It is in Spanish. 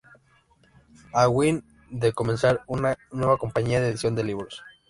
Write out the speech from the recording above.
A. Wyn de comenzar una nueva compañía de edición de libros.